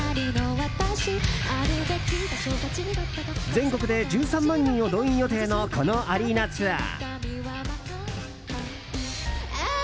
全国で１３万人を動員予定のこのアリーナツアー。